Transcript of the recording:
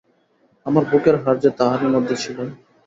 আমার বুকের হাড় যে তাহারই মধ্যে ছিল।